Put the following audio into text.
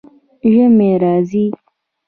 ژمی راځي